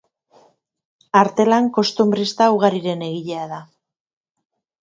Artelan kostunbrista ugariren egilea da.